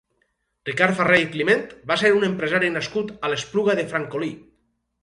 Ricard Farré i Climent va ser un empresari nascut a l'Espluga de Francolí.